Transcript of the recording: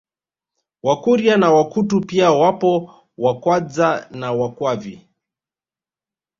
Wakuria na Wakutu pia wapo Wakwadza na Wakwavi